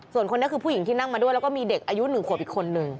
ส่วนคนนี้คือผู้หญิงที่นั่งมาด้วยแล้วก็มีเด็กอายุ๑ขวบอีกคนนึง